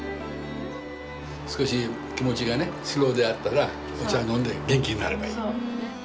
少し気持ちがねスローであったらお茶飲んで元気になればいい。